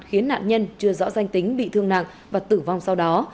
khiến nạn nhân chưa rõ danh tính bị thương nặng và tử vong sau đó